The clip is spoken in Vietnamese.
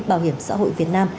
bảo hiểm xã hội việt nam